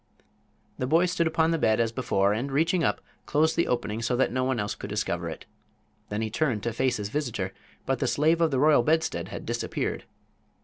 The boy stood upon the bed as before and, reaching up, closed the opening so that no one else could discover it. Then he turned to face his visitor, but the Slave of the Royal Bedstead had disappeared.